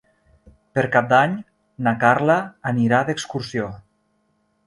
Per Cap d'Any na Carla anirà d'excursió.